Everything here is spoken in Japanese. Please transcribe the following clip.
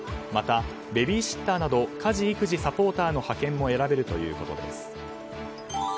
また、ベビーシッターなど家事・育児サポーターの派遣も選べるということです。